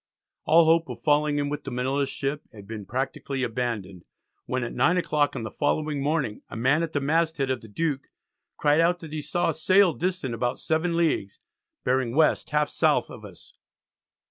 All hope of falling in with the Manila ship had been practically abandoned, when at 9 o'clock on the following morning a man at the masthead of the Duke cried out that he saw a sail distant about 7 leagues "bearing West half south of us."